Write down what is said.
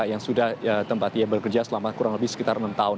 yang sudah tempat ia bekerja selama kurang lebih sekitar enam tahun